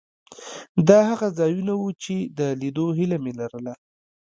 دا هغه ځایونه وو چې د لیدو هیله مې لرله.